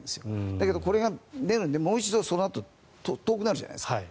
だけど、これが出るのでもう一度、そのあと遠くなるじゃないですか。